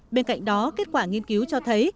bên cạnh đó kết quả nghiên cứu cho thấy